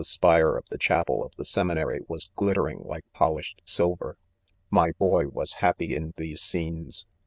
spire of the chapel of 'the seminary was glittering like polished silver. ( 21 )* My boy was happy in these scenes.